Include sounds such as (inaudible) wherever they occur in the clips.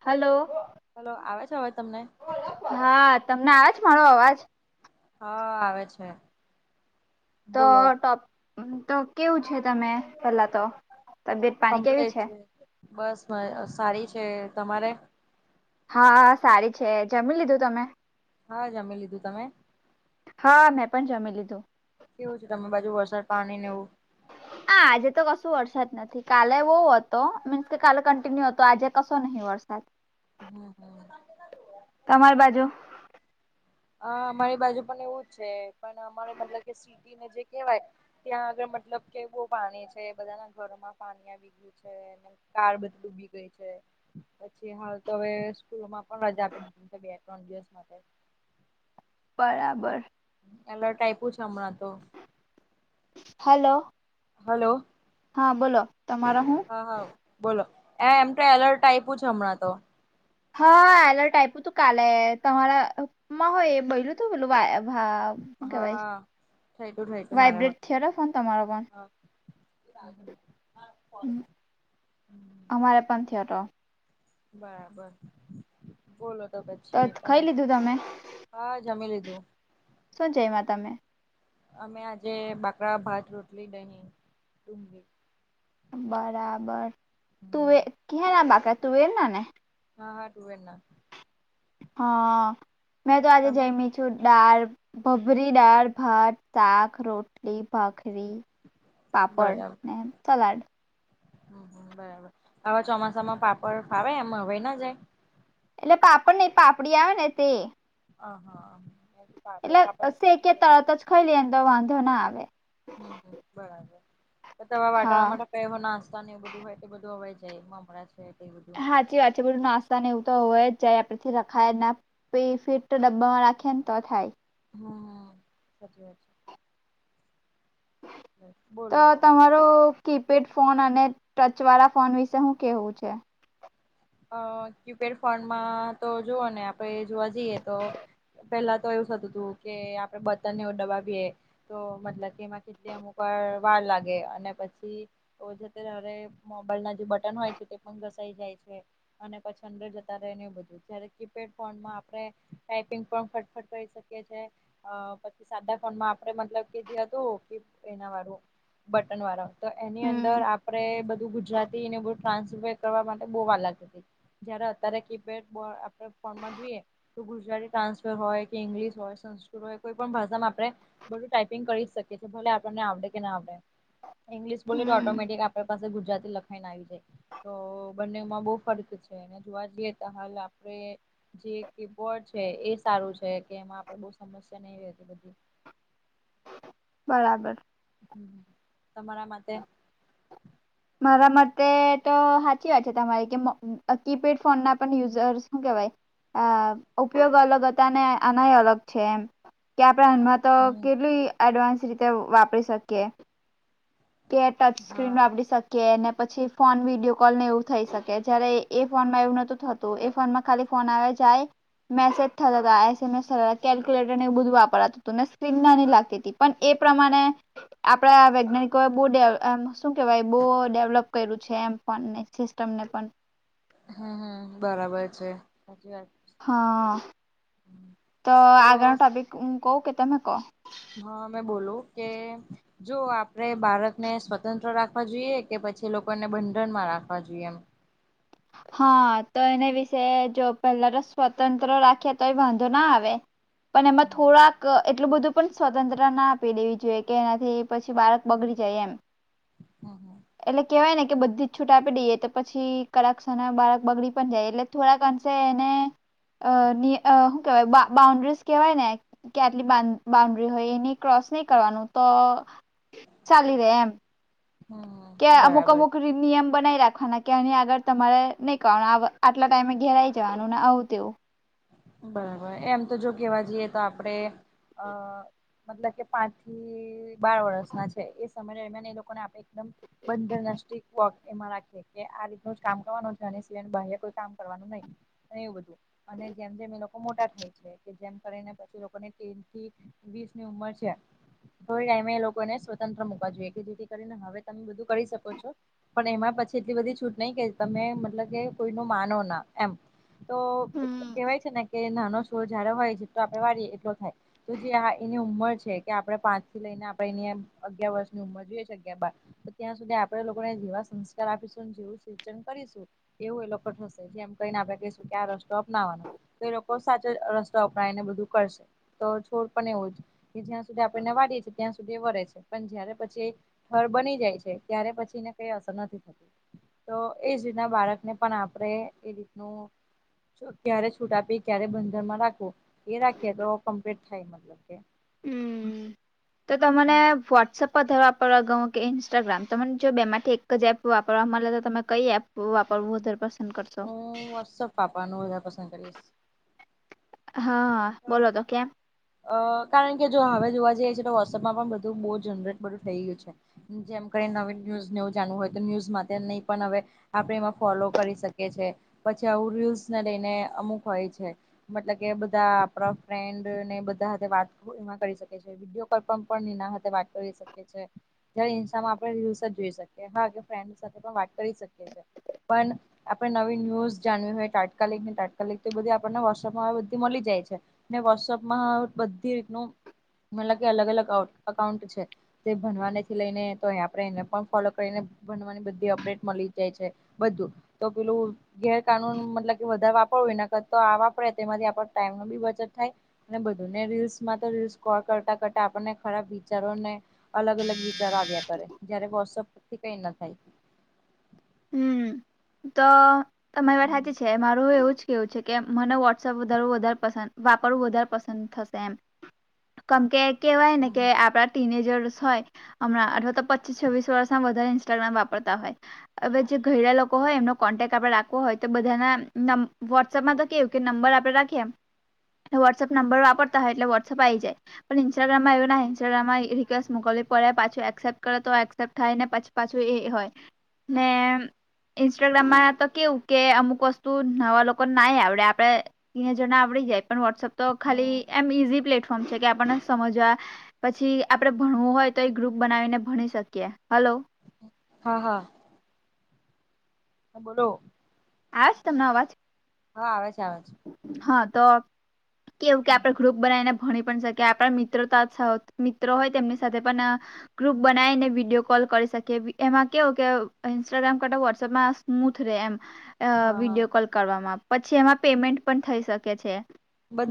Hello. Hello આવે છે અવાજ તમને. હા તમને આવે છે મારો અવાજ. હ આવે છે. તો બોલો ટોપ તો કેવું છે તમે પહેલાં તો તબિયત પાણી કેવી છે? બસ મ સારી છે તમારે. હા સારી છે જમી લીધું તમે. હા જમી લીધું તમે. હા મેં પણ જમી લીધું. કેવું છે તમે બાજુ વરસાદ પાણી ને એવું? હા આજે તો કશું વરસાદ નથી. નથી કાલે બઉ હતો તો મીન્સ કે કાલ કંન્ટિન્યુ હો હતો આજે કસો નહીં વરસાદ. હમ હમ. તમારી બાજુ? હા અમારી બાજુ પણ એવું છે પણ અમારે મતલબ કે સી તી જે કેવાય ત્યાં આગળ મતલબ કે બહુ પાણી છે બધાના ઘરમાં પાણી આવી કાર બઘી ડુબી ગઈ છે પછી હાલ તો હવે સ્કૂલોમાં. પણ રજા આપી દીધી બે ત્રણ દિવસ માટે. બરાબર એલર્ટ આપ્યું છે હમણાં તો હલો હલો હા બોલો તમારો હું હ હ બોલો એ એમ તો એલર્ટ આપ્યું છે હમણાં તો હા એલર્ટ આપ્યું તું કાલે તમારા માં હોય એ બલું તું બેલું ભા શું હા કેવાાઈ હા થઈ ગયું થઈ ગયું મારે વાઇબ્રેટ થયો ફોન તમારો પણ હવે (inaudible) હ અમારે પણ થયો તો બરાબર બોલો તો પછ તો ખાઈ લીધું તમે હા જમી લીધું. શો જયમા તમે અમે આજે બાકડા ભાત રોટલી દઈની ડુંગી બરાબર તું વે ક્યા ના બાકા તુવર ના ને હા હા તુવેરનાં હા મેં તો આજે તમે જઈમી જ દાળ ભભરી દાળ ભાત સાક રોટલી બકરી પાપડ ને સલાડ હમમ બરાબર આવા ચોમાસામાં પાપડ ફાવે એમ હવાય ના જાય એટલે પાપડ નઈ પાપડી આવે ને તે અ હા હ એટલે શે કે તરત જ ખાઈ લઈ તો વાંધો ના આવે હમ હમ બરાબર ત ત વાટાણ હા માટે નાસ્તા ને એ બધું હોય એ બધું હવાઈ જાય મમરા જાય તેવું જ હાચી વાત છે બધું નાસ તા ને એવું તો હોય જાય આપથી રખાય પે ફીટ ડબ્બામાં રાખેને તો થાય હા હા સાચી વાત છે. છે તો બોલો તમારું કીપેડ ફોન અને ટચ વાળા ફોન વિશે હું કેવું છે. અ કીપેડ ફોનમાં તો જુઓ ને આપડે જોવા જઈએ તો પેલા તો એવું થતું હતું કે આપડે બતનને એવું દબાવીએ તો મતલબ કે એમાં કેટલી અમુકવાર લાગે અને પછી તો જ તે દારે મોબાઈલના જે બટન હોય છે તે પણ ઘસાઈ જાય છે. અને પછી અંદર જતા રેય ને એવું બધું જયારે કીપેડ ફોનમાં આપરે ટાઈપિંગ પણ ફટફટ કરી શકીએ છેએ. અ પછી સાદા ફોનમાં આપડે મતલબ કે જે હતું કે એના વાળું બટન વાળા તો એની હમ અંદર આપરે બધું ગુજરાતી ને બ ટ્રાન્સલેટ કરવા માટે બઉ વાર લાગે. જયારે અત્યારે કીપેડ આપડે ફોનમાં જોઈએ. તો ગુજરાતી ટ્રાન્સફર હોય કે ઇંગ્લિશ હોય સંસ્કૃત હોય કોઈ પણ ભાષામાં આપડે બધું ટાઈપિંગ કરી જ શકીએ છે ભલે આપણને આવડે કે ના આવડે ઇંગ્લિશ બોલયે તો હમ ઓટોમેટિક આપે પાસે ગુજરાતી લખાઈને આવી જાય. તો બંનેમાં બહુ ફરક છે જોવા જઈએ તો હાલ આપડે જે કે બોર્ડ છે એ સારું છે કે એમાં આપડે બહુ સમસ્યા નહીં હતી બધી. બરાબર હ તમારા માટે મારા માટેતે તો સાચી વાત છે તમારી કે કીપેડ ફોન ના પણ યુઝર શું કેવાય અ ઉપયોગ અલગ હતા અને આનાય અલગ છે એમ કે આપણે તો હમ કેટલી એડવાન્સ રીતે વાપરી શકીએ કે ટચ હા સ્ક્રીનમાં આપણી સાથે કે ને પછી ફોન વિડીયો કોલ ને એવું થઈ શકે જયારે એ ફોનમાં એવું નતું થત એ ફોનમાં ખાલી ફોન આવ જાય મેસેજ થ તમે સર કેલ્ક્યુલેટર એ બધું વાપરાતું સ્્રીન ના લાગતી પણ એ પ્રમાણે આપણે વૈજ્ઞાનિક બહુે શું કેહેવાય બહુ ડેવલપ કર્યું છે એમ પણને સિસ્ટમને પણ હમ હમ બરાબર છે સાચી વાત હા (inaudible) તો આગળ ટબિક કવ કે તમે કહો હા મેં બોલું કે જો આપડે બારકને સ્વતંત્ર રાખવા જોઈએ કે પછી લોકોને બંધણ માં રાખવા જોઈએ એમ. હા તો એના વિશે જો પેલા તો સ્વતંત્ર રાખે તો એ વાંધો ના આવે પણ એમાં હમ થોડાક એટલું બધું પણ સ્વતંત્રતા ના આપી દેવી જોઈએ કે એનાથી પછી બાળક બગડી જાય એમ હહ એટલે કેહેવાય ને કે બધી જ છૂટ આપી દઈએ તો પછી કાક્ષના બાળક બગડી પણ જાય એટલે થોડાક અંશે એને અ શું કેવાય બાઉન્ડ્રીસ કેહેવાય ને કે આટલી બાઉન્ડ્રી હોય એને ક્રોસ નહી કરવાનું તો ચાલી રહેે એમ હમ કે્યા અમુક બરાબર અમુક નિયમ બનાઈ રાખવાના કે આગળ તમારે નહી કરવાનું આટલા ટાઈમે ઘેરાઈ જવાનું ને આવ તેવું બરાબર એમ તો જો કેવા જઈએ તો આપડે અ મતલબ કે પાંચ થી બાર વર્ષ ના છે એ સમયમિયાન એ લોકો ને આપણેે એકદમ બંદર ના સ્ટક વક એમાં રાખીએ કે આ રીતનું જ કામ કરવાનું છે સિયહ કોઈ કામ કરવાનું નહી એવું બધુ જેમ જેમ એ લોકો મોટા થાય છે જેમ કરીને પછી લોકોની તીન થી વીસ ની ઉંમર છે. થોડી ટાઈમે એ લોકોને સ્વતંત્ર મુૂકવા જોઈએ કે જેથી કરીને હવે તમે બધું કરી શકો છો પણ એમાં પછી એટલી બધી છૂટ નહી કે તમે મતલબ કે કોઈ ન માનો ના એમ તો હમ કેવાય છે ને કે નાનો છોડ જ્યારે હોય જેટલો આપડે વારીએ એટલો થાય તો જે આ એની ઉંમર છે કે આપડણે પાંચ થી લઈને આપણે એની અગિયાર વર્ષની ઉંમર જોઈએ છે અગયાર બાર તો ત્યાં સુધી આપડે લોકોને જેવા સંસ્કાર આપીશું જેવું સિંચન કરીશું એવું એ લોકો થશે જેમ કહીને આપડે કહીશું કે આ રસ્તો નાવા ના તો એ લોકો સાચો રસ્તો અપનાયને બધું કરશે તો છોડ પણ એવું જ એ જ્યાં સુધી આપણેને વાડીએ છીએ ત્યાં સુધી વળે છે પણ જયારે પછી ઠર બની જાય છે ત્યારે પછી એને કઈ અસર નથી થતી તો એજ રીતના બાળકને પણ આપડણે એ રીતનું ક્યારે છૂટ આપી ક્યારે બંધરમાં રાખવું એ રાખીએ તો કમ્પ્લીટ થાય મતલબ કે હમ તો તને વોટ્સઅપ પધાર વાપરવા ગહ કે ઇન્સ્ટાગ્રામ તમને જો બે માટેથી એક જ એપ વાપરવા મળે તો તમે કઈ એપ વાપર વૂ પાસ હું વટ્સઅપ પાપાનું વધારે પસંદ કરીશ હા હા બોલો તો કેમ અ કારણ કે જો હવે જોવા જઈએ છીએ તો વોટ્સઅપમાં પણ બધું બહુ જનરેટ બધું થઈ ગયું છે જેમ નવી ન્યૂઝ નવું જાણવું હોય તો ન્યૂઝ માટે નહી પણ હવે આપણે એમાં ફોલો કરી શકીએ પછી આવું્યુઝને લઈને અમુક હોય છે. મતલબ કે બધા આપણા ફ્રેન્ડ ને બધા સાથે વાત એમાં કરી શકે છે. વિડીયો કોલ પણ પણ નિના હથે વાત કરી શકે છે. ઇન્માં આપ ર જ જોઈ શકીએ ફન્ સાથે પણ વાત કરી શકીએી પણ. આપડણે નવી ન્યૂઝ જાણવી હોય તાત્કાલિક ને તાત્કાલિક તો એ બધી આપને વટપમાં બધી મળી જાય છે. ને વોટ્સઅપમાં બધી રીતનું મતલ કે અલગ અલગ અકાઉન્ટ છે. તે ભણવાને થી લઈને તો આપણે એને પણ ફોલો કરીને ભણવાની બધી અપડેટ મળી જાય છે. બધું તો પેલું. ગેરકાનૂન મતલબ કે વધારે વાપરવુંય કર તો આ વાપરે તેમાંથી આપ ટાઈમ ન બી બચત થાય. અને બધુંને રીલ્સમાં તો રીલ્સ કો કરતા કરતા આપણને ખરાબ વિચારોને. અલગ અલગ વિચારો આવ્યા કરે જારે વોટસઅપથી કઈ ના થાય. હમ તો તમારી બેઠા હમ જ છે મારું એવુંજ. કેવું છે કે મને વોટસઅપ વધારવું વધારે પસંદ વાપરવું વધારે પસંદ થશે એમ. કેમ કે કેવાય ને કે હમ આપડા. ટીનેજર્સ હોય હમણા અથવા તો પચીસ છવ્વીસ વર્ષમાં વધારે ઇન્સ્ટાગ્રામ વાપરતા હોય. હવે જે ઘરેડા લોકો હોય એમનો કોન્ટેક્ટ આપડે રાખવો હોય તો બધાનાં વોટ્સઅપમાં તો. કેું કે નંબર આપડ રાખીએમ વોટ્સઅપ નંબર વાપરતા હોય એટલે વોટ્સઅપ આ આવી જાય. પણ ઇન્સ્ટાગ્રામમાંવું ન્સ્ટાગ્રામમાં રિક્વેસ્ટ મોકલવી પડે પાછી એક્સેપ્ટ કરે તો એક્સેપ્ટ થાયનેછ. પાછું એ હોય ને. ઇન્સ્ટાગ્રામમાં તો કેવું કે અમુક વસ્તુ નવા લોકો નાઈ આવડે આપડ. તીને જણા આવડી જાય પણ વોટ્સએપ તો ખાલી હમ એમ ઈઝી પ્લેટફોર્મ છે કે આપણને સમજવા. પછી આપડણે ભણવું હોય તો એ ગ્રુપ બનાવીને ભણી શકીએ હલો. હા હા. હા બોલો. આજ તમને અવાજ. હા આવે છે આવે છે. હા તો કેવું કે આપડ ગ્રુપ. બનાવીને ભણી પણ શકે આપણા મિત્રો તો જ મિત્રો હોય તેમની સાથે પણ. ગ્રુપ બનાવીને વિડીયો કોલ કરી શકી એમાં કેવું કે ઇન્સ્ટાગ્રામ કરતા વોટ્સએપમાં. સ્મૂથ રે એમ હા હા વિડીિયો કોલ કરવામાં પછી એમાં પેમેન્ટ પણ થઈ શકે છે.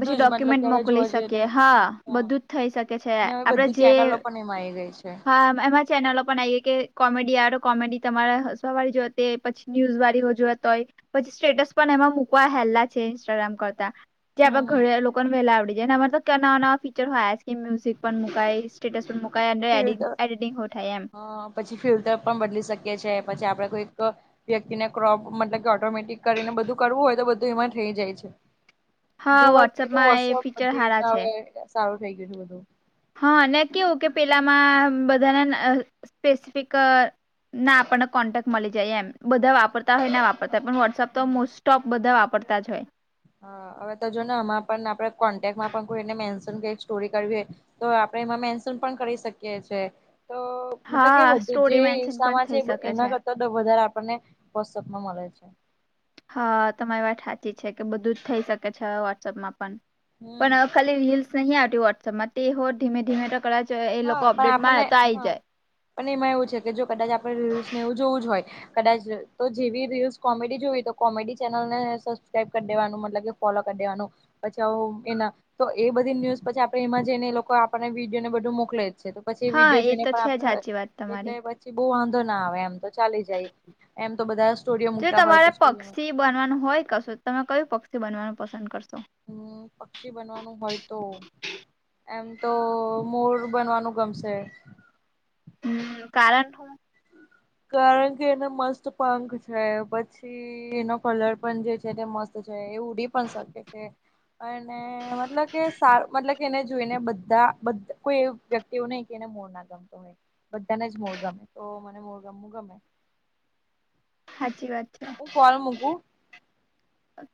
પછી જ મતલબ કે ડોક્યુમેન્ટ હવે જોવા મોકલી જઈએ તો શકીએ હા હા બધુંજ થઈ શકે છે ને હવે આપણે બધી જે. ચેનલો પણ એમાં આવી ગઈ છે હા એમાં. ચેનલો પણ આવી કે કોમેડી આવે કોમેડી તમારે હસવા વાળ જોતી પછી ન્યૂઝ વાળ હો જોવાત હોય. પછી સ્ટેટસ પણ એમાં મૂકવા હેલા છે ઇન્સ્ટાગ્રામ કરતા હમ જ્યાં હમ ઘરે. વહેલા આવડી જને અમા તો નવા નવા ફીચર હોય કે મ્યુઝિક પણ મુકઈ. સ્ટેટસ પર મુકાય ફિલ્ટર એડિટીંગ હોું થાય એમ. હા પછી ફિલ્ટર પણ બદલી શકીએ છીએ પછી આપડે કોઈ વ્યક્તિને ક્રોપ મતલબ કે. ઓટોમેટિક કરીને બધું કરવું હોય તો બધું એમાં થઈ જાય છે. હા જોવા જઈએ તો વોટ્સઅપમાં એ વોટસઅપ ફીચર બધી સારા રીતના છે હવે સારું થઈ ગયું છે બધું. હા કેવું કે પેલામાં બધાના સ્પેસિફિક. ના આપણને કોન્ટેક્ટ મળી જાય એમ બધા વાપરતા હોય નેપ. તા પણ વોટ્સઅપ તો મોસ્ટોપ બધા વાપરતાજ હોય. હા હવે તો જો ને હમા પણ આપડે કોન્ટેક્ટમાં પણ કોઈ એને મેન્શન ક સ્ટોરી કરવી. તો આપડણે એમાં મેન્સૂન પણ કરી શકીએ છે તો. મતલબ કે હા બધી સ્ટોરી જે મેન્શન પણ હિસામાં છે થઈ શકે છે એના કરતા વધારે આપણનેપમાં મળે છે. હા તમારી વાત સાચી છે કે બધું જ થઈ શકે છે વોટ્સઅપમાં પણ હમ. પણ. ખાલી રીલ્સ નહીં આવતી હો વોટ્સપમાં તે હો ધીમે ધીમે તો કદાચ એ લોકો હા પણ અપડેટ આપણને મારે તો આ આવી હા જાય. પણ એમાં એવું છે કે જો કદાચ આપડે રલ્સને એવું જોવુંજ હોય. કદાચ તો જેવી રીલ્સ કોમેડી જોવી તો કોમેડી ચેનલ ને સબસ્ક્રાઈબ કરી દેવાનું મતલબ કે. ફોલો ક દેવાનું. પછી એના તો એ બધી ન્યુઝ પછી આપણે એમાં જઈને એ લોકો આપણને વિડીયોને બધું મો કલે છે તો પછી હા વિડીયો એ જોઈને તો પણ છે આપ જ સાચી વાત એટલે તમારી પ છી બહુ વાંધો ના આવે એમ તો ચાલી જાય એમ તો બધા સ્ટોરીઓ જો મૂકતા હોય તો તમારે સ્ટોરમાં પક્ષી બનવાનું હોય કશો તમે કયું પક્ષી બનવાનું પસંદ કરશો? હમ પક્ષી બનવાનું હોય તો. એમ તો મોર બનવાનું ગમશે. હમ કારણ? હું કારણ કે એના મસ્ત પાંખ છે પ છી એનો કલર પણ જે છે તે મસ્ત છે, એ ઉડી પણ શકે છે. અને મતલબ કે સારું મતલબ કે એને જોઈને બધા કોઈ એ વ્યક્તિ એવું નહી કે એને મો ર‌ ના ગમતો બધાને જ મોર ગમે તો મને મોર ગમવું ગમે. સાચી વાત છે હું કોલ મૂકું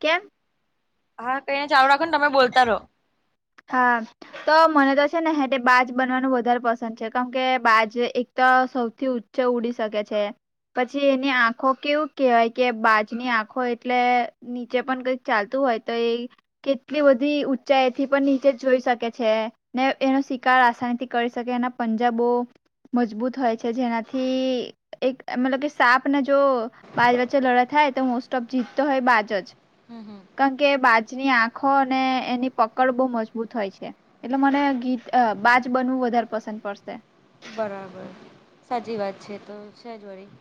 કેમ? હા કઈને ચાલુ રાખો ને તમે બોલતા રહો. હા. તો મને તો છે ને હેટે બાજ બનવાનું વધારે પસંદ છે કારણ કે બાજ એક તો સૌથી ઊં ચે ઉડી શકે છે. પછી એની આંખો કેવું કેહેવાય કે બાજની આંખો એટલે નીચે પણ કઈ ચાલતું હોય તો એ કેટલી બધી ઉંચાઈ થી પણ નીચે જ જોઈ શકે છે ને એનો શિકાર આસાની થી કરી શકે એના પંજા બો મજબૂત હોય છે જેનાથી એક મતલબ કે સાપ ને જો બાજ વચ્ચે લડાય થાય તો મોસ્ટ ઓફ જીત તો હોય બાજ જ. હમ હમ કારણ કે બાજની આંખો અને એની પક કડ બો મજબૂત હોય છે એટલે મને ગીત અ બાજ બનવું વધારે પસંદ પડશે. બરાબર સાચી વાત છે તો છે જ વળી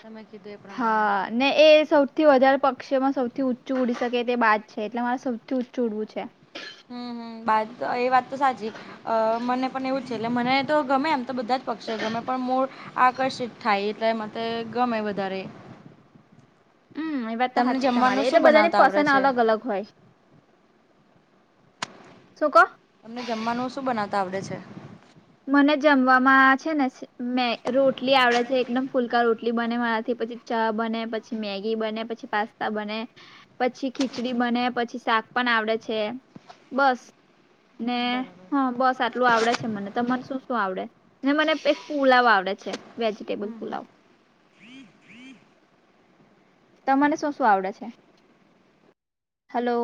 તમે કીધું એ પ્રમાણે હા ને એ સૌથી વધારે પક્ષીમાં સૌથી ઊંચું ઉડી શકે તે બાજ છે એટલે મારે સૌથી ઊંચું ઉડવું છે. હમ હમ બાજ તો એ વાત તો સાચી. અ મને પણ એવું છે એટલે મને તો ગમે એમ તો બધા જ પક્ષીઓ ગમે પણ મોર આકર્ષિત થાય એટલે માટે ગમે વધારે. હમ એ વાત તો તમને હાચી જ જમવાનું તમારી એ શું તો બધાની બનાવતા આવડે પસંદ છે અલગ અલગ હોય શું કો? તમને જમવાનું શું બનાવતા આવડે છે? મને જમવામાં છે ને મેં રોટલી આવડે છે એકદમ ફુલકા રોટલી બને મારાથી પછી ચા બને, પછી મેગી, બને પછી, પાસ્તા બને. પછી ખીચડી બને પછી શાક પણ આવડે છે બસ ને હા બસ આટલું આવડે છે મને તમારે શું શું આવડે? ને મને એક પુલાવ આવડે છે વેજીટેબલ હમ હમ પુલાવ (inaudible) તમને શું શું આવડે છે? હલો